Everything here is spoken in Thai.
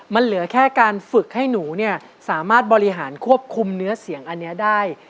มันเหลือแค่การฝึกให้หนูเนี่ยสามารถบริหารควบคุมเนื้อเสียงอันนี้ได้